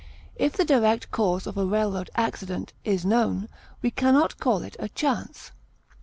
If the direct cause of a railroad accident is known, we can not call it a chance.